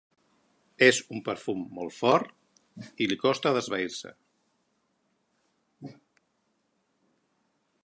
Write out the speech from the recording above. És un perfum molt fort i li costa d'esvair-se.